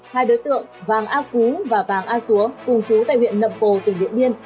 hai đối tượng vàng á cú và vàng á xúa cùng chú tại huyện lập cổ tỉnh điện biên